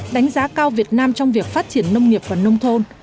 đánh giá cao việt nam trong việc phát triển nông nghiệp và nông thôn